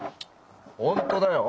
本当だよ。